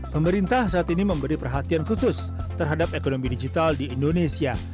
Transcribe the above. pemerintah saat ini memberi perhatian khusus terhadap ekonomi digital di indonesia